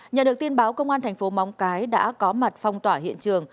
nhờ được tin báo công an thành phố móng cái đã có mặt phong tỏa hiện trường